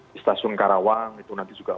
di stasiun karawang itu nanti juga